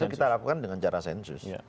itu kita lakukan dengan cara sensus